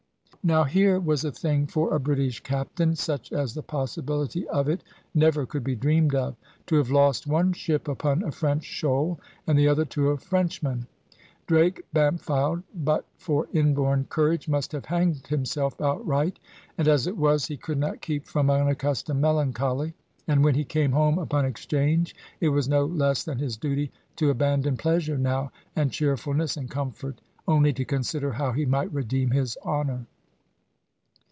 Now here was a thing for a British captain, such as the possibility of it never could be dreamed of. To have lost one ship upon a French shoal, and the other to a Frenchman! Drake Bampfylde, but for inborn courage, must have hanged himself outright. And, as it was, he could not keep from unaccustomed melancholy. And, when he came home upon exchange, it was no less than his duty to abandon pleasure now, and cheerfulness, and comfort; only to consider how he might redeem his honour.